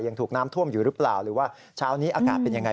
ยังถูกน้ำท่วมอยู่หรือเปล่าหรือว่าเช้านี้อากาศเป็นยังไง